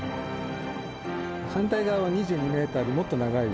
反対側は２２ｍでもっと長い。